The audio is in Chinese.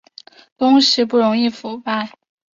东西不容易腐败